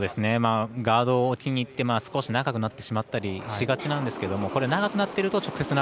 ガードを置きにいって少し長くなってしまったりしがちなんですけど長くなっていると直接。